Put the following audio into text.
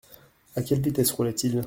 À quelle vitesse roulait-il ?